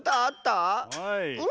はい。